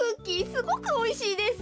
すごくおいしいです。